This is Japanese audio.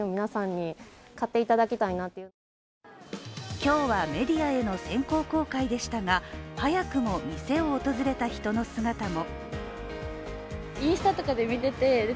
今日はメディアへの先行公開でしたが、早くも店を訪れた人の姿も。